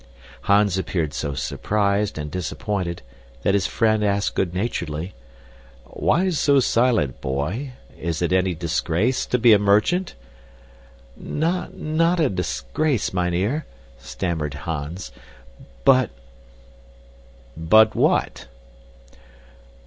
Hans appeared so surprised and disappointed that his friend asked good naturedly, "Why so silent, boy? Is it any disgrace to be a merchant?" "N not a disgrace, mynheer," stammered Hans, "but " "But what?"